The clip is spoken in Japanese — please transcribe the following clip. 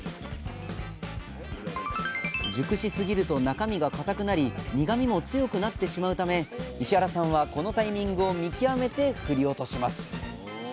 熟しすぎると中身が硬くなり苦みも強くなってしまうため石原さんはこのタイミングを見極めて振り落とします。